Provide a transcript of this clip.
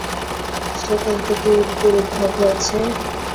সেখান থেকে এই রীতির উদ্ভব হয়েছে।